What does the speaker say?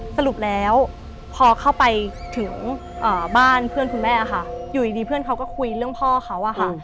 สรุปแล้วพอเข้าไปถึงบ้านเพื่อนคุณแม่ค่ะอยู่ดีเพื่อนเขาก็คุยเรื่องพ่อเขาอะค่ะ